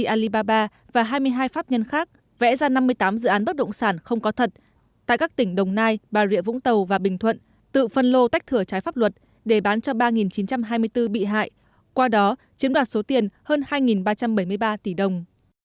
công ty alibaba và hai mươi hai pháp nhân khác vẽ ra năm mươi tám dự án bất động sản không có thật tại các tỉnh đồng nai bà rịa vũng tàu và bình thuận tự phân lô tách thửa trái pháp luật để bán cho ba chín trăm hai mươi bốn bị hại qua đó chiếm đoạt số tiền hơn hai ba trăm bảy mươi ba tỷ đồng